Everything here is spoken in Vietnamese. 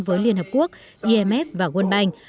với liên hợp quốc imf và world bank